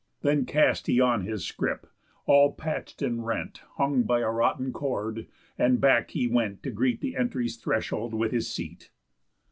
Then cast he on his scrip, all patch'd and rent, Hung by a rotten cord, and back he went To greet the entry's threshold with his seat.